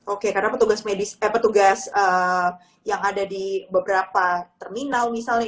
oke karena petugas yang ada di beberapa terminal misalnya